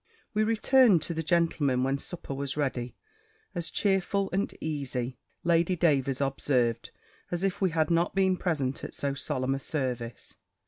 We returned to the gentlemen when supper was ready, as cheerful and easy, Lady Davers observed, as if we had not been present at so solemn a service.